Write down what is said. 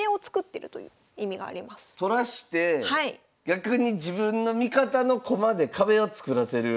取らして逆に自分の味方の駒で壁を作らせる。